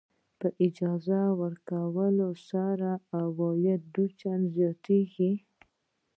په اجاره ورکولو سره عواید دوه چنده زیاتېږي.